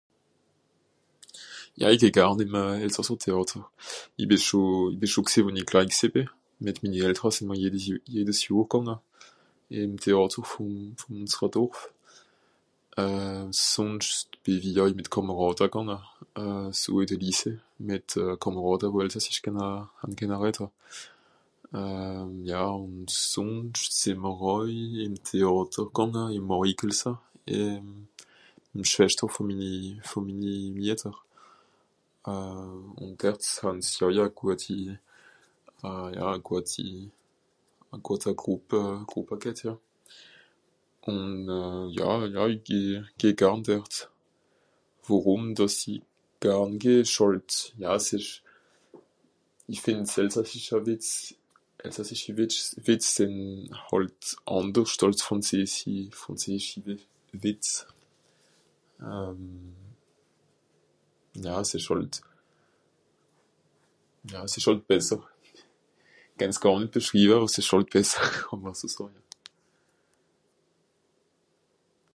Ja i geh garn ìm elsasser Téàter. I bì scho... i bì scho gsìì, wo-n-i klei gsìì bì. Mìt minni Eltra sìì mr jedes Johr gànga. Ìm Téàter vù... vù ùnsra Dorf. sùnscht bì-w-i àui mìt Kàmàràda gànga, so ì de Lycée, mìt Kàmàràda wo elsassisch kenna... han kenna redda. Ja ùn sùnscht sìì mr àui ìm Téàter gànga, ì Màrikelsa, ìm... ìm Schweschter vù minni... vù minni Mietter. ùn dert han se àui ja a guati... a... ja a guati... a guata Grùpp... Grùppe ghet ja. Ùn ja ja i geh... i geh garn dert. Worùm, dàss i garn geh ìsch hàlt... ja s'ìsch... i fìnd s'elsassischa Wìtz, elsassischi wìtsch... Wìtz sìnn hàlt àndersch àss frànzeesi... frànzeeschi Wì...Wìtz. Ja s'ìsch hàlt... ja s'ìsch hàlt besser. Kennt's gàr nìt beschriiwe àwer s'ìsch hàlt besser, kàà'mr so sàja.